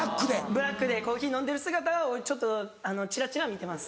ブラックでコーヒー飲んでる姿をちょっとちらちら見てます。